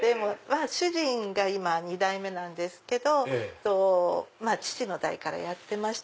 主人が今２代目なんですけど父の代からやってまして。